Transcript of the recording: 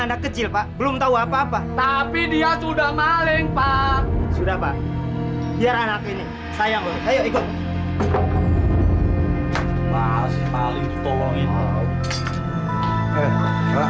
dia kecil pak belum tahu apa apa tapi dia sudah maling pak sudah pak